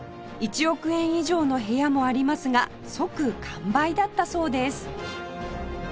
１億円以上の部屋もありますが即完売だったそうです